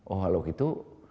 oh kalau gitu